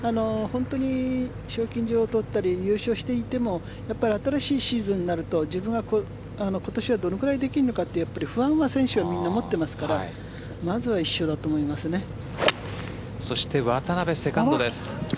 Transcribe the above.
本当に賞金女王を取ったり優勝していても新しいシーズンになると自分は今年はどのくらいできるのかと不安な選手はみんな思っていますからそして渡邉、セカンドです。